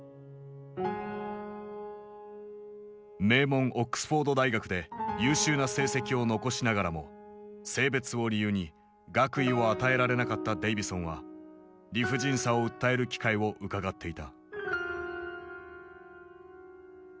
名門オックスフォード大学で優秀な成績を残しながらも性別を理由に学位を与えられなかったデイヴィソンは理不尽さを訴える機会をうかがっていた。